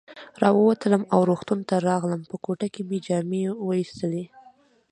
را ووتم او روغتون ته راغلم، په کوټه کې مې جامې وایستلې.